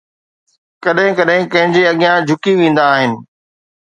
ڪڏهن ڪڏهن ڪنهن جي اڳيان جهڪي ويندا آهن